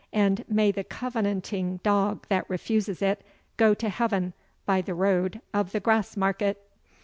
and may the covenanting dog that refuses it, go to Heaven by the road of the Grassmarket!"